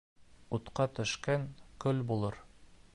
Утҡа төшкән көл булыр.